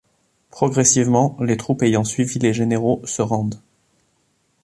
Progressivement, les troupes ayant suivi les généraux se rendent.